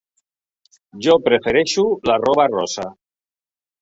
Jo prefereixo la roba rosa.